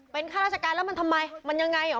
เป็นข้าราชการแล้วมันทำไมมันยังไงหรอ